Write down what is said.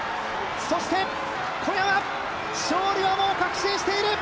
そして、小山、勝利はもう確信している。